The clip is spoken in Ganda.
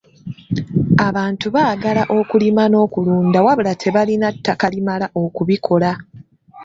Abantu baagala okulima n'okulunda wabula tebalina ttaka limala okubikola.